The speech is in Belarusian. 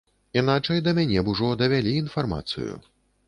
Іначай да мяне б ужо давялі інфармацыю.